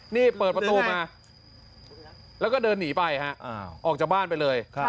นี่เปิดประตูมาแล้วก็เดินหนีไปฮะออกจากบ้านไปเลย